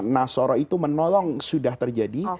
nasoro itu menolong sudah terjadi